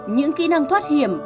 những kỹ năng thoát hiểm